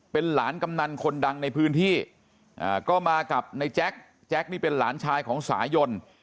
เป็นหลานกำนันคนดังในพื้นที่ก็มากับในแจ๊คแจ็คนี่เป็นหลานชายของสายยน